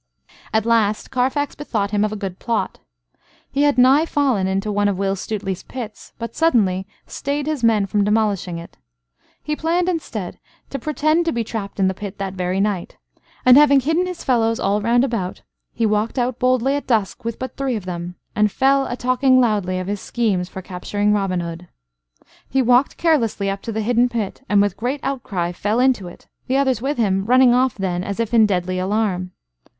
At last Carfax bethought him of a good plot. He had nigh fallen into one of Will Stuteley's pits, but suddenly stayed his men from demolishing it. He planned instead to pretend to be trapped in the pit that very night; and, having hidden his fellows all round about, he walked out boldly at dusk with but three of them, and fell a talking loudly of his schemes for capturing Robin Hood. He walked carelessly up to the hidden pit and with great outcry fell into it, the others with him running off then as if in deadly alarm.